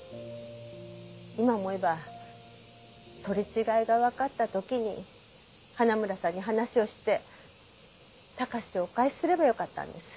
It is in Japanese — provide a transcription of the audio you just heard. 今思えば取り違えがわかった時に花村さんに話をして貴史をお返しすればよかったんです。